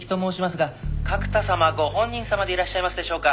「角田様ご本人様でいらっしゃいますでしょうか？」